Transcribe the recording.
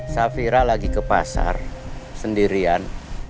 safira lagi ke pasar sendirian